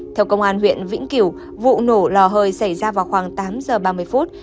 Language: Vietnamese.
theo công an huyện vĩnh kiểu vụ nổ lò hơi xảy ra vào khoảng tám giờ ba mươi phút